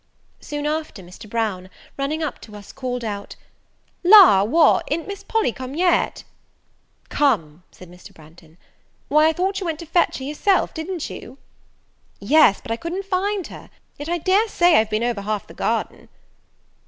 Soon after, Mr. Brown, running up to us, called out, "La, what, i'n't Miss Polly come yet?" "Come," said Mr. Branghton; "why, I thought you went to fetch her yourself, didn't you?" "Yes, but I couldn't find her; yet I daresay I've been over half the garden."